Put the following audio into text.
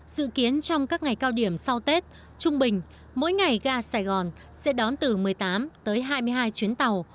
dự kiến trong các ngày cao điểm sau tết trung bình mỗi ngày ga sài gòn sẽ đón từ một mươi tám tới hai mươi hai chuyến tàu